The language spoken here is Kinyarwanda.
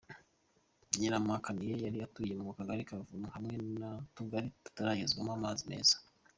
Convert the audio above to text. Nyirampakaniye yari atuye mu Kagari ka Kavumu, kamwe mu tugari tutaragezwamo amazi meza.